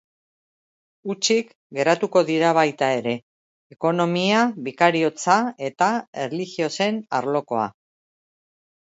Hutsik geratuko dira baita ere, ekonomia bikariotza eta erligiosen arlokoa.